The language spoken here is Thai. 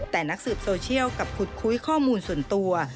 แต่นักสืบโซเชียลกลับขุดคุยข้อมูลส่วนตัว